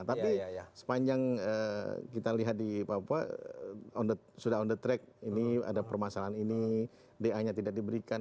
tapi sepanjang kita lihat di papua sudah on the track ini ada permasalahan ini da nya tidak diberikan